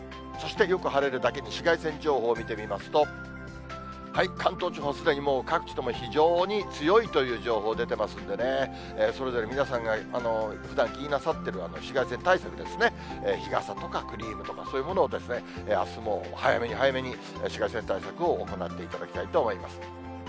そしてよく晴れるだけに紫外線情報を見てみますと、関東地方、すでにもう各地とも非常に強いという情報出てますんでね、それぞれ皆さんがふだん気になさっている紫外線対策ですね、日傘とかクリームとか、そういうものをあすも早めに早めに、紫外線対策を行っていただきたいと思います。